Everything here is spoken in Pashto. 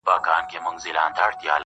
چي هر څه یم په دنیا کي ګرځېدلی!.